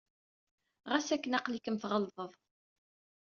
Ɣas akken, aql-ikem tɣelḍed.